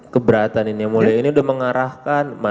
keberatan ini mulai ini udah mengarahkan